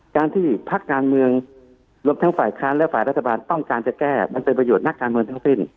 การที่พักการเมืองรวมทั้งฝ่ายค้านและฝ่ายรัฐบาลต้องการจะแก้มันเป็นประโยชน์นักการเมืองทั้งสิ้น